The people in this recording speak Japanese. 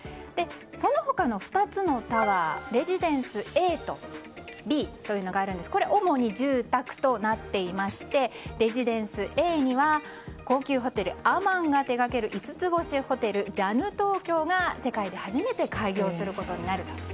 その他の２つのタワーレジデンスＡとＢがありますが主に住宅となっていましてレジデンスＡには高級ホテル・アマンが手掛ける五つ星ホテルジャヌ東京が世界で初めて開業することになると。